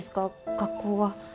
学校は。